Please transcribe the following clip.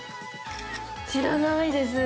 知らないです。ね。